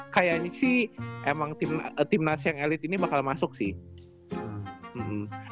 kayaknya sih emang timnas yang elit ini bakal masuk sih